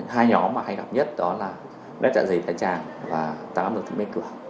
hai nhóm mà hay gặp nhất đó là nát dạ dày thái tràn và tăng áp được tính mạch của